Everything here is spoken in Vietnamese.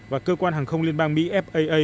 và cơ quan hàng không liên bang mỹ faa